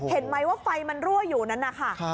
เห็นไหมว่าไฟมันรั่วอยู่นั้นนะคะ